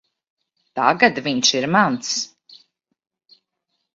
Tagad viņš ir mans.